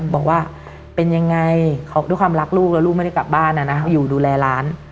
บอกว่าเป็นยังไงเขาด้วยความรักลูกแล้วลูกไม่ได้กลับบ้านนะนะอยู่ดูแลร้าน